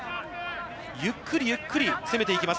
ゆっくりゆっくり攻めていきます